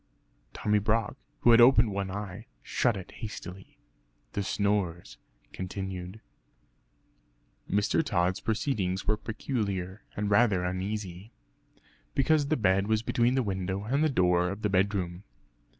Tommy Brock, who had opened one eye shut it hastily. The snores continued. Mr. Tod's proceedings were peculiar, and rather uneasy, (because the bed was between the window and the door of the bedroom).